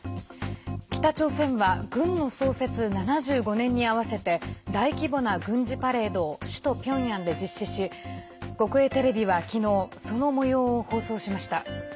北朝鮮は軍の創設７５年に合わせて大規模な軍事パレードを首都ピョンヤンで実施し国営テレビは昨日そのもようを放送しました。